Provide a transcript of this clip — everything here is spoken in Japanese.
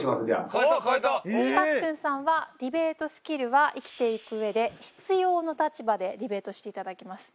パックンさんは「ディベートスキルは生きていく上で必要」の立場でディベートしていただきます。